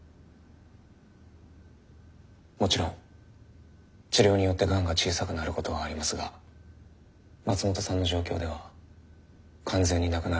もちろん治療によってがんが小さくなることはありますが松本さんの状況では完全になくなることはありません。